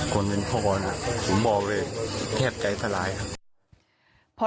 คนเป็นพ่อนะผมบอกเลยแทบใจสลายครับ